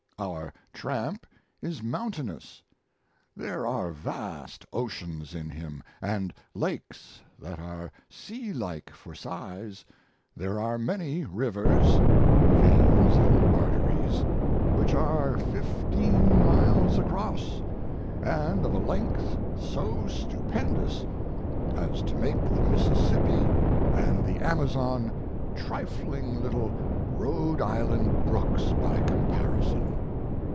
Our tramp is mountainous, there are vast oceans in him, and lakes that are sea like for size, there are many rivers (veins and arteries) which are fifteen miles across, and of a length so stupendous as to make the Mississippi and the Amazon trifling little Rhode Island brooks by comparison.